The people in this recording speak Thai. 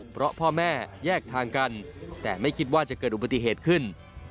เพราะพ่อแม่แยกทางกันแต่ไม่คิดว่าจะเกิดอุบัติเหตุขึ้น